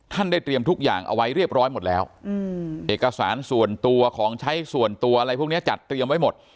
ได้เตรียมทุกอย่างเอาไว้เรียบร้อยหมดแล้วเอกสารส่วนตัวของใช้ส่วนตัวอะไรพวกนี้จัดเตรียมไว้หมด